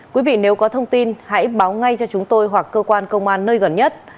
quý vị nếu có thông tin hãy báo ngay cho chúng tôi hoặc cơ quan công an nơi gần nhất